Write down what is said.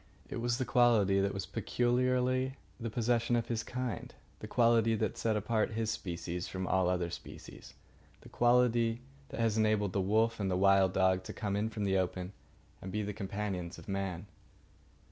It was the quality that was peculiarly the possession of his kind; the quality that set apart his species from all other species; the quality that has enabled the wolf and the wild dog to come in from the open and be the companions of man.